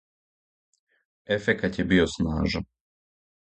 Ефекат је био снажан.